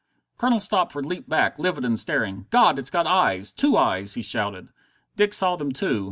Colonel Stopford leaped back, livid and staring. "God, it's got eyes two eyes!" he shouted. Dick saw them too.